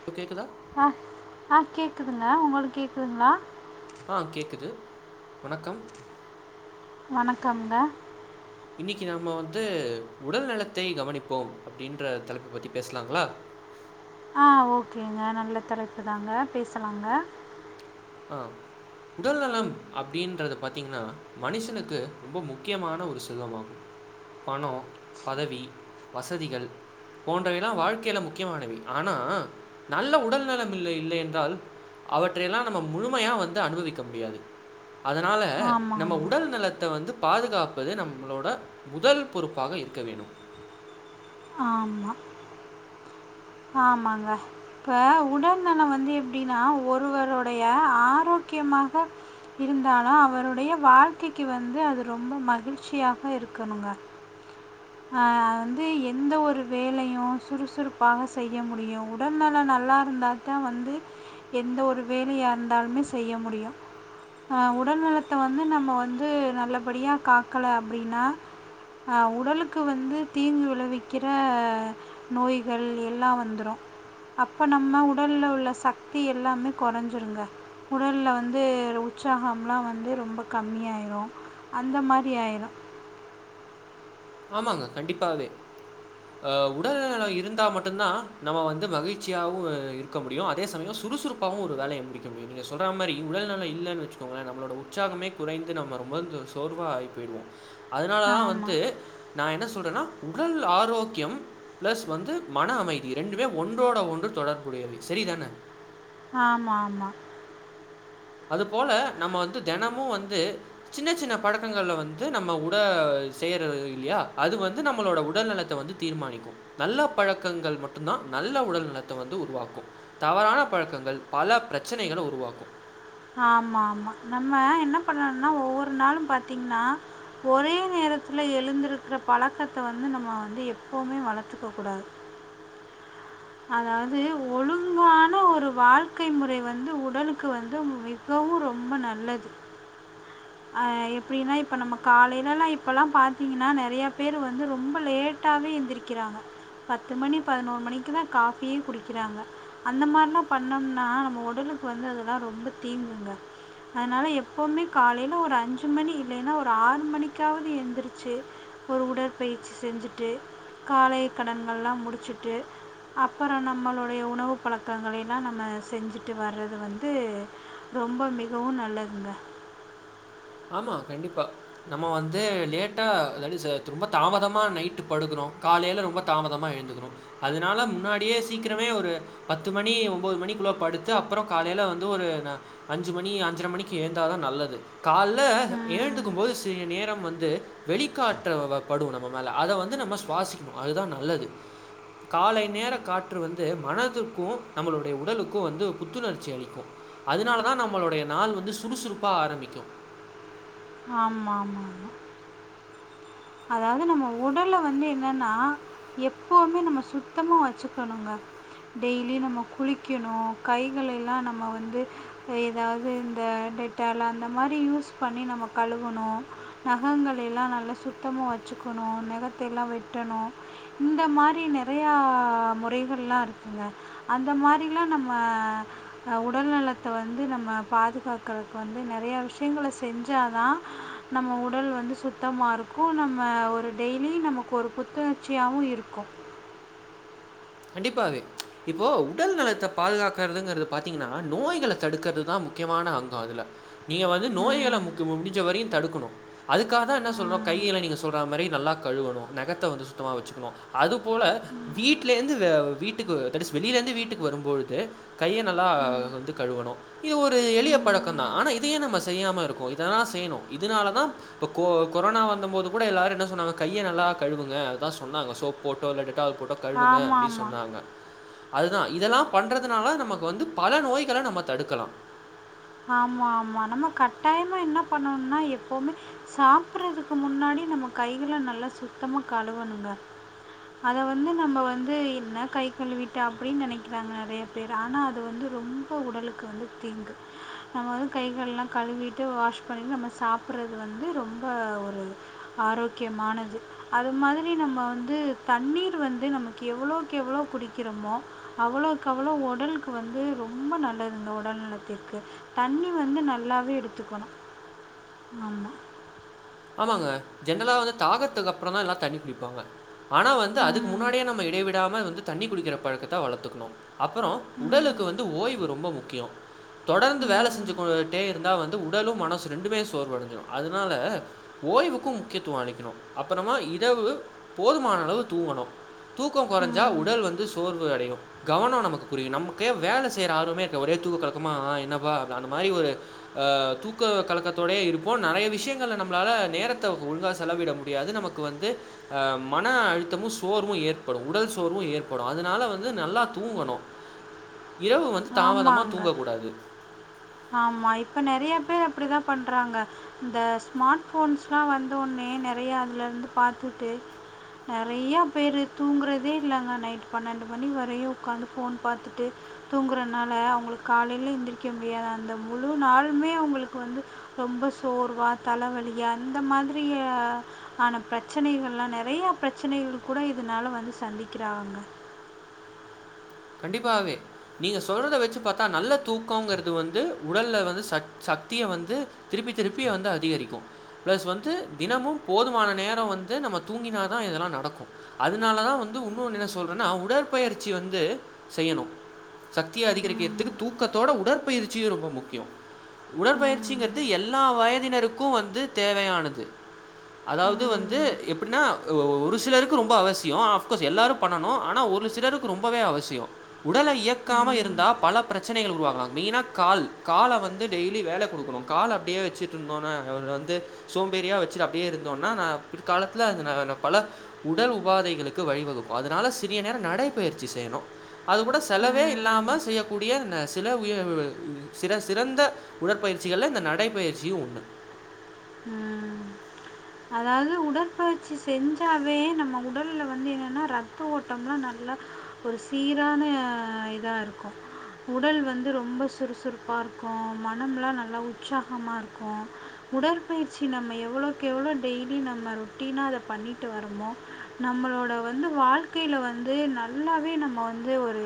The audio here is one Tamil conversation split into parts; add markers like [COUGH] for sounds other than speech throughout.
இப்ப கேக்குதா ஹா ஹா கேக்குதுங்க உங்களுக்கு கேக்குதுங்களா ஆ கேக்குது வணக்கம் வணக்கம் ங்க இன்னைக்கு நாம வந்து உடல் நலத்தை கவனிப்போம் அப்டின்ற தலைப்பு பத்தி பேசலாங்களா ஆ ஓகே ங்க நல்ல தலைப்பு தாங்க பேசலாங்க ஆ உடல் நலம் அப்டின்றத பாத்தீங்கன்னா மனுஷனுக்கு ரொம்ப முக்கியமான ஒரு செல்வம் ஆகும் பணோ பதவி வசதிகள் போன்றவை எல்லா வாழ்க்கையில முக்கியமானவை ஆனா நல்ல உடல் நலம் இல்லை இல்லை என்றால் அவற்றை எல்லா நம்ம முழுமையா வந்து அனுபவிக்க முடியாது அதனால ஆமாம் நம்ம உடல் நலத்தை வந்து பாதுகாப்பது நம்மளோட முதல் பொறுப்பாக இருக்க வேண்டும் ஆமா ஆமாங்க இப்ப உடல்நலம் வந்து எப்டின்னா ஒருவருடைய ஆரோக்கியமாக இருந்தாலு அவருடைய வாழ்க்கைக்கு வந்து அது ரொம்ப மகிழ்ச்சியாக இருக்கணுங்க அ அது வந்து எந்த ஒரு வேலயு சுறுசுறுப்பாக செய்ய முடியு உடல்நலம் நல்லா இருந்தா தா வந்து எந்த ஒரு வேலயா இருந்தாலுமே செய்ய முடியு ஆ உடல்நலத்த வந்து நம்ம வந்து நல்லபடியா காக்கல அப்டின்னா ஆ உடலுக் க்கு வந்து தீங்கு விளைவிக்கிற நோய்கள் எல்லா வந்துரு அப்ப நம்ம உடல்ல உள்ள சக்தி எல்லாமே குறஞ்சிருங்க உடல்ல வந்து உற்சாகம் எல்லா வந்து ரொம்ப கம்மியாயிரு அந்த மாரி ஆயிரு ஆமாங்க கண்டிப்பாவே அ உடல் நலம் இருந்தா மட்டுந்தா நம்ம வந்து மகிழ்ச்சியாவு இருக் இருக்க முடியு அதே சமயோ சுறுசுறுப்பாவு ஒரு வேலைய முடிக்க முடியு நீங்க சொல்ற மாரி உடல்நல இல்லனு வச்சு நம்மளோட உற்சாகமே குறைந்து நம்ம ரொம்ப சோர்வா ஆகி போயிடுவோ அதனால தா வந்து ஆமாம் நா என்ன சொல்றேன்னா உடல் ஆரோக்கியம் ப்ளஸ் வந்து மன அமைதி ரெண்டுமே ஒன்றோட ஒன்று தொடர்புடையவை சேரி தான ஆமா ஆமா அது போல நம்ம வந்து தெனமு வந்து சின்ன சின்ன பழக்கங்கள்ல வந்து நம்ம உட செய்ற இல்லையா அது வந்து நம்மளோட உடல்நலத்த வந்து தீர்மானிக்கு நல்ல பழக்கங்கள் மட்டு தா நல்ல உடல் நலத்த வந்து உருவாக்கு தவறான பழக்கங்கள் பல பிரச்சினைகளை உருவாக்கு ஆமா ஆமா நம்ம என்ன பண்ணும்னா ஒவ்வொரு நாளு பாத்தீங்கன்னா ஒரே நேரத்துல எழுந்திருக்கிற பழக்கத்த வந்து நம்ம வந்து எப்பவுமே வளத்துக்க கூடாது அதாவது ஒழுங்கான ஒரு வாழ்க்கை முறை வந்து உடலுக்கு வந்து மி கவு ரொம்ப நல்லது அ எப்டின்னா இப்ப நம்ம காலையிலல்லா இப்பல்லா பாத்தீங்கன்னா நெறய பேரு வந்து ரொம்ப லேட் ட்டாவே எந்திக்கிறாங்க பத்து மணி பதினோரு மணிக்கு தா காஃபியே குடிக்கிறாங்க அந்த மாரிலா பண்ணோம்னா நம்ம உடலுக்கு வந்து அதெல்லா ரொம்ப தீங்குங்க அதனால எப்பவுமே காலையில ஒரு அஞ்சு மணி இல்லைன்னா ஒரு ஆறு மணிக்காவது எந்துருச்சு ஒரு உடற்பயிற்சி செஞ்சுட்டு காலை கடன் கல்லா முடிச்சுட்டு அப்பறோ நம்மளுடைய உணவு பழக்கங்களை எல்லா நம்ம செஞ்சுட்டு வர்றது வந்து ரொம்ப மிகவு நல்லதுங்க ஆமா கண்டிப்பா நம்ம வந்து லேட்டா அதாடுசே து ரொம்ப தாமதமா நைட்டு படுக்குறோ காலைல ரொம்பத் தாமதமா எழுந்துகுனு அதனால முன்னாடியே சீக்கிரமே ஒரு பத்து மணி ஒம்போது மணிக்குள்ள படுத்து அப்றோ காலைல வந்து ஒரு ந அஞ்சு மணி அஞ்சர மணிக்கு ஏந்தாதா நல்லது கால்ல எழுந்துக்கும்போது செரி நேரம் வந்து வெளிக்காற்ற வ வ படு நம்ம மேல அத வந்து நம்ம சுவாசிக்ணு அதுதா நல்லது காலை நேரக் காற்று வந்து மனதுக்கு நம்மளுடைய உடலுக்கு வந்து புத்துணர்ச்சி அளிக்கு அதுனாலதா நம்மளுடைய நாள் வந்து சுறுசுறுப்பா ஆரம்பிக்கு ஆமா மா மா மா அதாவது நம்ம உடல வந்து என்னனா எப்பவுமே நம்ம சுத்தமா வச்சுகணுங்க டெய்லி நம்ம குளிக்கணு கைகள எல்லா நம்ம வந்து எதாவது இந்த டெட்டால் அந்த மாரி யூஸ் பண்ணி நம்ம கழுவணு நகங்கள் எல்லா நல்லா சுத்தமா வச்சுக்கணு நெகத்தை எல்லா வெட்டணு இந்த மாரி நெறையா முறைகள்லா இருக்குங்க அந்த மாரிலா நம்ம அ உடல் நலத்த வந்து நம்ம பாதுகாக்கறக்கு வந்து நெறையா விஷ்யங்கள செஞ்சாதா நம்ம உடல் வந்து சுத்தமாருக்கு க்கு நம்ம ஒரு டெய்லி நமக்கு ஒரு புத்துணர்ச்சியாவு இருக்கு கண்டிப்பாவே இப்போ உடல் நலத்த பாதுகாக்கறதுங்கறது பாத்தீங்கனா நோய்கள தடுக்கறதுதாம் முக் க்கியமான அங்கோ அதுல நீங்க வந்து நோய்கள ம் முக்கு முடிஞ்ச வரயு தடுக்குணு அதுக்காகதா என்ன சொல்றோ ம் கைகள நீங்க சொல்றா மாரி நல்லாக் கழுவணு நெகத்த வந்து சுத்தமாக வச்சுகுணு அதுபோல ம் வீட் ட்லேந்து வெ வீட்டுக்கு தெடீஸ் வெளிலந்து வீட்டுக்கு வரும்பொழுது கைய நல்லா ம் வந்து கழுவணு இது ஒரு எளியப் பழக்கந்தா ம் ஆனா இதயே நம்ம செய்யாம இருக்கோ இதெலா செய்ணு இதனாலதா ப கொ கொரனா வந்தமோது கூட எல்லாரு என்ன சொன்னாங்க கைய நல்லா கழுவுங்க அதா சொன்னாங்க சோப் போட்டோ இல்ல டெட்டால் போட்டோ கழுவுங்க ஆமாம் அப்டி ஆமாம் சொன்னாங்க அதுதா இதலாம் பண்றதனால நமக்கு வந்து பல நோய்கள நம்ம தடுக்கலா ஆமா ஆமா நம்ம கட்டாயமா என்னப் பண்ணனுனா எப்பவுமே சாப்றதுக்கு முன்னாடி நம்ம கைகள நல்லா சுத்தமா கழுவணுங்க அத வந்து நம்ப வந்து என்ன கை கழுவிட்டு அப்டின் நெனைக்றாங்க நெறயப் பேரு ஆனா அது வந்து ரொம்ப உடலுக்கு வந்து தீங்கு நம வந்து கைகள்லாங் கழுவிட்டு வாஷ் பண்ணிட்டு நம்ம சாப்றது வந்து ரொம்ப ஒரு ஆரோக்யமானது அது மாதிரி நம்ம வந்து தண்ணீர் வந்து நமக்கு எவ்ளோக்கு எவ்ளோ குடிக்றமோ அவ்ளோக்கு அவ்ளோ ஒடலுக்கு வந்து ரொம்ப நல்லது இந்த ஒடல் நலத்திர் கு தண்ணி வந்து நல்லாவே எடுத்துக்கணு ஆமா ஆமாங்க ஜென்ரலா வந்து தாகத்துக்கு அப்றந்தா எல்லா தண்ணி குடிப்பாங்க ஆனா வந்து அதுக்கு ம் முன்னாடியே நம்ம இடைவிடாம வந்து தண்ணி குடிக்கிற பழக்கத்த வளத்துக்ணு அப்பறோ உடலுக்கு ம் வந்து ஓய்வு ரொம்ப முக்கியோ தொடர்ந்து வேல ம் செஞ்சு பு டே இருந்தா வந்து உடலு மனசு ரெண்டுமே சோர்வடஞ்சிடு அதனால ஓய்வுக்கு முக்கியத்துவ அளிக்கணு அப்றமா இரவு போதுமான அளவு தூங்கணு தூக்கோ கொறஞ்சா ம் உடல் வந்து சோர்வு அடையு கவனோ நமக்கு குரியு நம்கே வேல செய்ற ஆர்வமே இருக்க ஒரே தூக்க கலக்கமா என்னபா அந்த மாரி ஒரு அ தூக்க கலக்கத்தோடே இருப்போ நெறைய விஷயங்கள நம் நம்லால நேரத்த ஒழுங்கா செலவிட முடியாது நமக்கு வந்து அ மன அழுத்தமு சோர்வு ஏற்படு உடல் சோர்வு ஏற்படு அதனால வந்து நல்லா தூங்கணு இரவு வந்து தாமதமா ஆமாங்க தூங்ககூடாது ஆமா இப்ப நெறைய பேர் அப்டிதா பண்றாங்க இந்த ஸ்மாட் ஃபோன்ஸ்லா வந்து ஒன்னே நெறைய அதுல இருந்து பாத்துட்டு நெறையா பேரு தூங்குறதே இல்லங்க நைட் பன்னெண்டு மணி வரயு உக்காந்து ஃபோன் பாத்துட்டு தூங்குறனால அவுங்களுக்கு காலைல எந்திரிக்க முடியாது அந்த முழு நாளுமே அவுங்களுக்கு வந்து ரொம்ப சோர்வா தலவலிய அந்த மாதிரியே கானா பிரச்சனைகள்லா நெறைய பிரச்சனைகள் கூட இதுனால வந்து சந்திக்கிறாங்கங்க கண்டிபாவே நீங்க சொல்றத வெச்சு பாத்தா நல்ல தூக்கங்குறது வந்து உடல்ல வந்து சத் சக்திய வந்து திருப்பி திருப்பி வந்து அதிகரிக்கு ப்ளஸ் வந்து தினமு போதுமான நேரோ வந்து நம்ம தூங்கினா தா இதெல்லா நடக்கு அதுனால தா வந்து உன்னொன்னு என்ன சொல்றேன்னா உடற்பயிற்சி வந்து செய்யணு சக்திய ம். அதிகரிக்துக்கு தூக்கத்தோட உடற்பயிற்சியு ரொம்ப முக்கியோ ம். உடற்பயிற்சிங்குறது எல்லா வயதினருக்கு வந்து தேவையானது அதாவ்து ம். வந்து எப்டினா ஒ ஒரு சிலருக்கு ரொம்ப அவசியோ அஃப்கோஸ் எல்லாரு பண்ணனு ஆனா ஒரு சிலருக்கு ரொம்பவே அவசியோ உடல இயக்காம ம். இருந்தா பல பிரச்சனைகள் உருவாகலா மெயினா கால் கால வந்து டெய்லி வேல குடுக்கணு கால அப்டியே வெச்சிட்டுருந்தோனா அவர் வந்து சோம்பேறியா வெச்சுடு அப்டியே இருந்தோனா நா பிற் காலத்துல அது ந பல உடல் உபாதைகளுக்கு வழிவகுக்கு அதுனால சிறிய நேர நடைபயிற்சி செய்யணு அது கூட செலவே ம். இல்லாம செய்யகூடிய நச் சில உய அ சில சிறந்த உடற்பயிற்சிகள்ல இந்த நடைபயிற்சியு ஒன்னு ம் அதாது உடற்பயிற்சி செஞ்சாவே நம்ம உடல்ல வந்து என்னனா ரத்த ஓட்டோலா நல்லா ஒரு சீரான இதா இருக்கு உடல் வந்து ரொம்ப சுறுசுறுப்பா இருக்கு மனம்லா நல்லா உற்சாகமா இருக்கு உடற்பயிற்சி நம்ம எவ்ளோகு எவ்ளோ டெய்லி நம்ம ரொட்டீனா அத பண்ணிட்டு வரமோ நம்மளோட வந்து வாழ்க்கையில வந்து நல்லாவே நம்ம வந்து ஒரு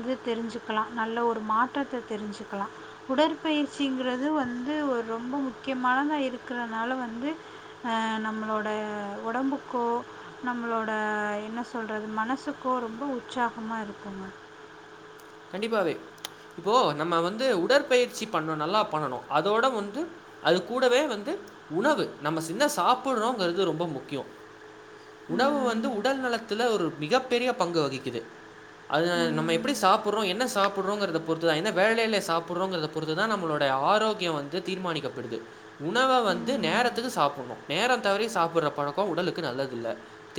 இது தெரிஞ்சுக்கலா நல்ல ஒரு மாற்றத்த தெரிஞ்சுக்கலா உடற்பயிற்சிங்குறது வந்து ஒரு ரொம்ப முக்கியமானதா இருக்கறனால வந்து ஆ நம்மளோட உடம்புக்கோ நம்மளோட என்ன சொல்றது மனசுக்கோ ரொம்ப உற்சாகமா இருக்குங்க கண்டிப்பாவே இப்போ நம்ம வந்து உடற்பயிற்சி பண்ணனு நல்லா பண்ணணு அதோட வந்து அது கூடவே வந்து உணவு நம்ம சின்ன சாப்புடுறோங்குறது ரொம்ப முக்கியோ உணவு வந்து ம் உடல் நலத்துல ஒரு மிகப் பெரிய பங்கு வகிக்குது அது நம்ம ம் எப்டி சாப் சாப்புறோ என்ன சாப்புறோங்கிறத பொறுத்து தா என்ன வேலையில சாப்புறோங்கிறத பொறுத்து தா நம்மளுடைய ஆரோக்கியோ வந் து தீர்மானிக்கப்படுது உணவ வந்து ம் நேரத்துக்கு சாப்புணு நேர தவறி சாப்புட்ற பழக்கோ உடலுக்கு நல்லது இல்ல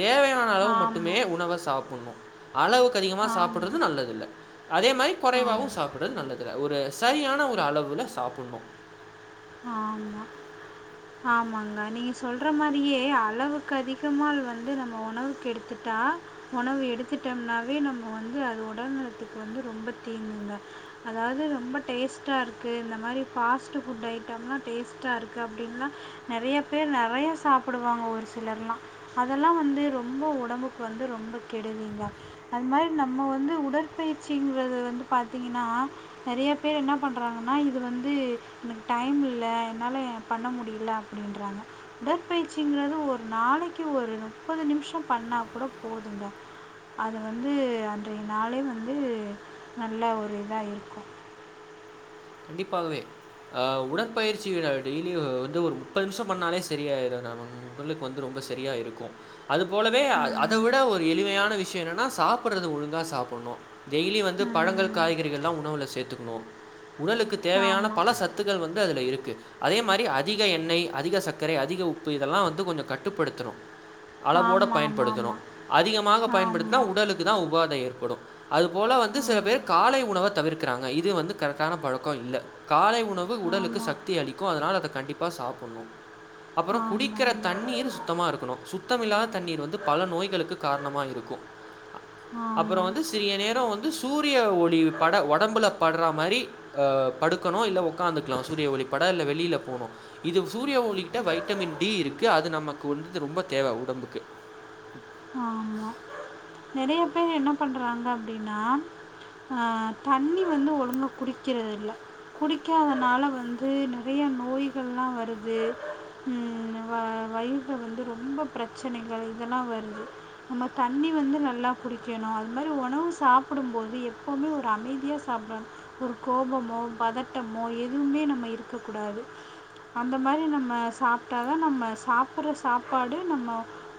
தேவையான அளவு மட்டுமே ஆமாம் உணவ சாப்புணு அளவுக்கு அதிகமா ஆமாம் சாப்புடுறது நல்லது இல்ல அதே மாரி குறைவாவு ஆமாம் சாப்றது நல்லதுல்ல ஒரு சரியான ஒரு அளவுல சாப்புணு ஆமா ஆமாங்க நீங்க சொல்ற மாரியே அளவுக்கு அதிகமால் வந்து நம்ம உணவுக்கு எடுத்துட்டா ஒணவு எடுத்துட்டம்னாவே நம்ம வந்து அது ஒடல் நலத்துக்கு வந்து ரொம்ப தீங்குங்க அதாது ரொம்ப டேஸ்ட்டாருக்கு இந்த மாரி பாஸ்ட் ஃபுட் ஐட்டம்லா டேஸ்ட்டாருக்கு அப்டின்லா நெறையா பேர் நெறையா சாப்புடுவாங்க ஒரு சிலர்லா அதெல்லா வந்து ரொம்ப உடம்புக்கு வந்து ரொம்ப கெடுதிங்க அது மாரி நம்ம வந்து உடற்பயிற்சிங்கறது வந்து பாத்தீங்கனா நெறைய பேர் என்ன பண்றாங்கன்னா இது வந்து எனக்கு டைம் இல்ல என்னால பண்ண முடி ல அப்டின்றாங்க உடற்பயிற்சிங்கறது ஒரு நாளைக்கு ஒரு முப்பது நிமிஷம் பண்ணா கூட போதுங்க அது வந்து அன்றைய நாளே வந்து நல்ல ஒரு இதா இருக்கு கண்டிப்பாகவே ஆ உடற்பயிற்சி டெய்லி வந்து ஒரு முப்பது நிமிஷம் பண்ணாலே சரியாயிடாதா ஒன்னு உடலுக்கு வந்து ரொம்ப சரியா இருக்கு அது போலவே அ அத விட ஒரு எளிமையான விஷயம் என்னன்னா சாப்பிட்றது ஒழுங்காக சாப்புன்ணு டெய்லி வந்து பழங்கள் காய்கறிகள்லா உணவுல சேத்துக்கணு உடலுக்கு தேவையான ஆமாம் பல சத்துக்கள் வந்து அதுல இருக்கு அதே மாரி அதிக எண்ணெய் அதிக சக்கரை அதிக உப்பு இதெல்லா வந்து கொஞ்சோ கட்டுப்படுத்தணு அளவோட ஆமாம் ஆமாம் பயன்படுத்தணு அதிகமாக பயன்படுத்துனா ஆமாம் உடலுக் ளுக்குதா உபாதை ஏற்படு அது போல வந்து சில பேர் ஆமாம் காலை உணவ தவிர்க்கறாங்க இது வந்து கரெக் டான பழக்கோ இல்ல காலை உணவு உடலுக்கு சக்தி அளிக்கு அதனால அதை கண்டிப்பா சாப்புன்ணு அப்ரோ ஆமாம் ஆமாம் ஆமாம் குடிக்கற தண்ணீர் சுத்தமா இருக்கணு சுத் த்தமில்லாத தண்ணீர் வந்து பல நோய்களுக்கு காரணமா இருக்கு அப்ரோ ஆமாம் வந்து சிறிய நேரோ வந் து சூரிய ஒளி பட உடம்புல பட்ற மாரி அ படுக்கணு இல்ல ஒக் உக்காந்துக்கலா சூரிய ஒளி பட இல்ல வெளியில போனு இது சூரிய ஒளிகிட்ட வைட்டமின் டி இருக்கு அது நம்ம வந்துட்டு ரொம்ப தேவ உடம்புக்கு ஆமா நெறைய பேர் என்ன பண்றாங்க அப்டின்னா ஆ தண்ணி வந்து ஒழுங்கா குடிக்கறதில்ல குடிக்காதனால வந்து நெறைய நோய்கள்லா வருது ம் வ வயிறு வந்து ரொம்ப பிரச்சனைகள் இதெல்லா வருது நம்ம தண்ணி வந்து நல்லா குடிக்கணு அது மாரி ஒணவு சாப்புடும்போது எப்போவுமே ஒரு அமைதியா சாப்டனு ஒரு கோபமோ பதட்டமோ எதுவுமே நம்ம இருக்க கூடாது அந்த மாரி நம்ம சாப்ட்டாதா நம்ம சாப்புடுற சாப்பாடு நம்ம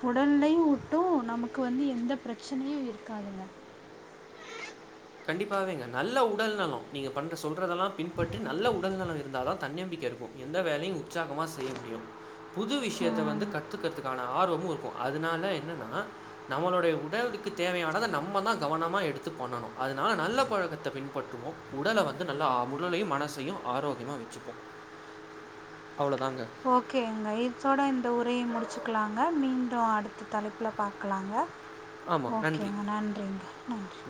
உடல்லயு ஒட்டு நமக்கு வந்து எந்த பிரச்சனையு இருக்காதுங்க கண்டிப்பாகவேங்க நல்ல உடல் நலோ நீங்க பண்ற சொல்றதெல்லா பின்பற்றி நல்ல உடல் நலோ இருந்தாதா தன்னம்பிக்க இருக்கு எந்த வேலையு உற்சாகமா செய்ய முடியு புது விஷயத்த வந்து கத்துக்கறதுக்கா ஆர்வமு இருக்கு அதனால என்னன்னா நம்மளுடைய உடலுக்கு தேவையானத நம்மதா கவனமா எடுத்து பண்ணணு அதனால நல்ல பழக்கத்த பின்பற்றுவோ உடல வந்து நல்லா ஆ உடலயு மனசயு ஆரோக்கியமா வெச்சுப்போ [INAUDIBLE] அவ்ளோதாங்க ஓகேங்க இத்தோட இந்த உரைய முடிச்சிக்கலாங்க மீண்டு அடுத்த தலைப்புல பாக்கலாங்க ஆமா. நன்றி. ஓகேங்க நன்றிங்க நன்றி